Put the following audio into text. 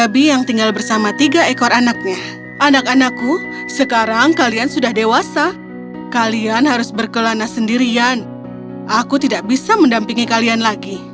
tiga babi kecil